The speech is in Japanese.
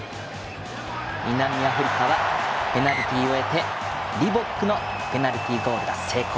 南アフリカはペナルティを得てリボックのペナルティゴールが成功。